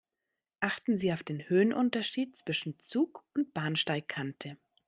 Achten Sie auf den Höhenunterschied zwischen Zug und Bahnsteigkante.